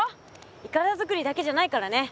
いかだ作りだけじゃないからね。